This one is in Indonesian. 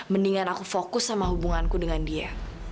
mendingan aku fokus sama hubunganku dengan dia